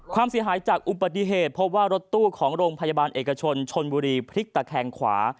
ความเสียหายจากอุบัติเหตุพบว่ารถตู้ของโรงพยาบาลเอกชนชนบุรีพลิกตะแคงขวา